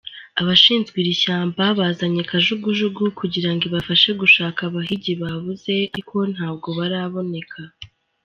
Abashinzwe iri shyamba bazanye kajugujugu kugira ngo ibafashe gushaka abahigi babuze ariko ntabwo baraboneka.